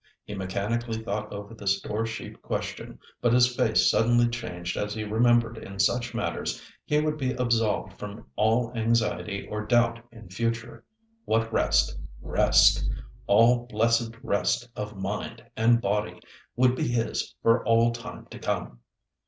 He mechanically thought over the store sheep question, but his face suddenly changed as he remembered in such matters he would be absolved from all anxiety or doubt in future. What rest—rest—all blessed rest of mind and body, would be his for all time to come!